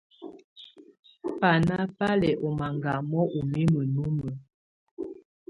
Banà bá lɛ̀ ɔ̀ maŋgamɔ ù mimǝ́ numǝ.